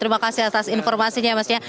terima kasih atas informasinya mas ya